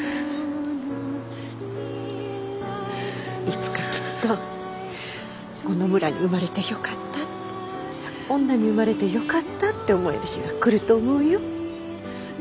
いつかきっとこの村に生まれてよかったって女に生まれてよかったって思える日が来ると思うよ。